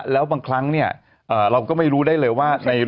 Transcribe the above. แล้วบางครั้งเนี่ยเราก็ไม่รู้ได้เลยว่า